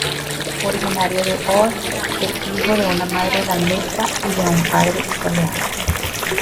Originario de Hoorn, es hijo de una madre holandesa y de un padre italiano.